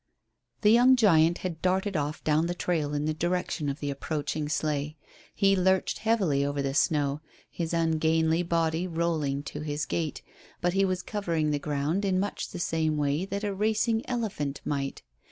The young giant had darted off down the trail in the direction of the approaching sleigh. He lurched heavily over the snow, his ungainly body rolling to his gait, but he was covering ground in much the same way that a racing elephant might.